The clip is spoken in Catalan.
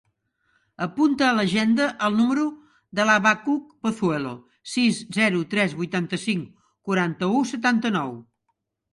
Apunta a l'agenda el número de l'Habacuc Pozuelo: sis, zero, tres, vuitanta-cinc, quaranta-u, setanta-nou.